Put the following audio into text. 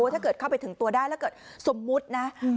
ถ้าเกิดเข้าไปถึงตัวได้แล้วเกิดสมมุตินะ